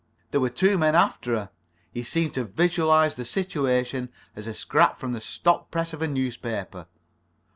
There were two men after her. He seemed to visualize the situation as a scrap from the stop press of a newspaper.